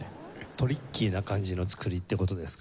トリッキーな感じの作りって事ですか？